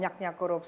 itu kan acha spq